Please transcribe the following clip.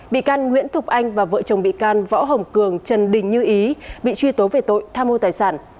bị can nguyễn thục anh và vợ chồng bị can võ hồng cường trần đình như ý bị truy tố về tội tham mô tài sản